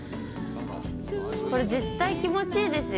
これ、絶対気持ちいいですよ。